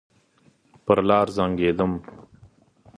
پر لار زنګېدم.